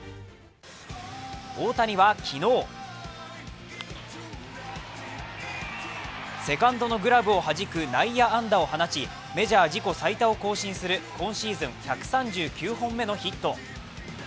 大谷は昨日セカンドのグラブをはじく内野安打を放ち、メジャー自己最多を更新する、今シーズン１３９本目のヒット。